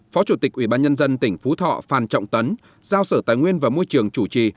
phó chủ tịch ubnd tỉnh phú thọ phan trọng tấn giao sở tài nguyên và môi trường chủ trì